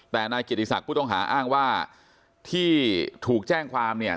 แต่นายเกียรติศักดิ์ผู้ต้องหาอ้างว่าที่ถูกแจ้งความเนี่ย